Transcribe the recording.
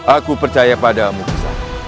aku percaya padamu disana